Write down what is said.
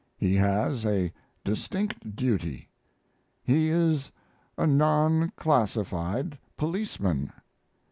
He has a distinct duty. He is a non classified policeman.